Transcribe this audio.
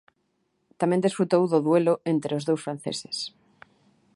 Tamén desfrutou do duelo entre os dous franceses.